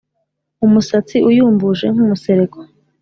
umusatsi uyumbuje nk’ umusereko